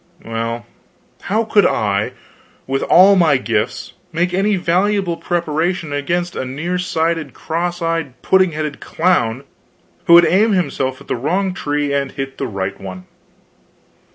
Well, how could I, with all my gifts, make any valuable preparation against a near sighted, cross eyed, pudding headed clown who would aim himself at the wrong tree and hit the right one?